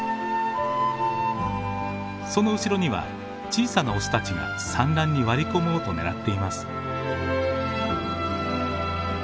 その後ろには小さなオスたちが産卵に割り込もうと狙っています。